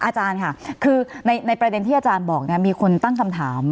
อาจารย์ค่ะคือในประเด็นที่อาจารย์บอกมีคนตั้งคำถาม